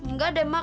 nggak deh mak